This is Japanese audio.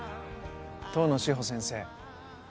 遠野志保先生。